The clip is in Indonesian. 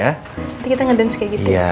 nanti kita ngedance kayak gitu ya